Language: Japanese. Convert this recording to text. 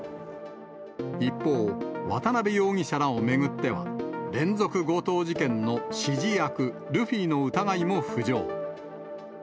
一方、渡辺容疑者らを巡っては、連続強盗事件の指示役、ルフィの疑いも浮上。